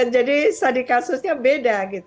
jadi tadi kasusnya beda gitu